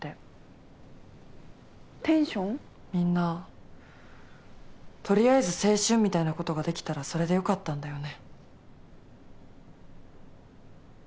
みんな取りあえず青春みたいなことができたらそれでよかったんだよね。